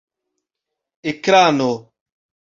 ekrano